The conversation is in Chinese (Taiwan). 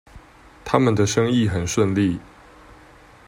他們的生意很順利